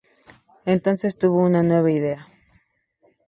Entonces tuvo una nueva idea.